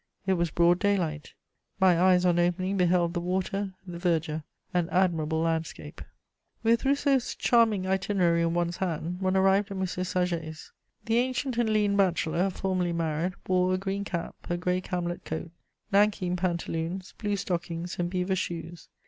It was broad day light: my eyes on opening beheld the water, the verdure, an admirable landscape." * With Rousseau's charming itinerary in one's hand, one arrived at M. Saget's. This ancient and lean bachelor, formerly married, wore a green cap, a grey camlet coat, nankeen pantaloons, blue stockings and beaver shoes.